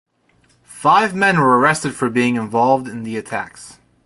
Five men were arrested for being involved in the attacks.